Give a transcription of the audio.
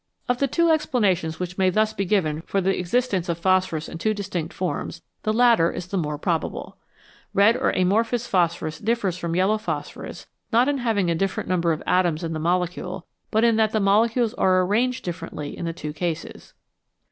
Of the two explanations which may thus be given for the existence of phosphorus in two distinct forms, the latter is the more probable. Red or amorphous phos phorus differs from yellow phosphorus, not in having a different number of atoms in the molecule, but in that the molecules are arranged differently in the two cases.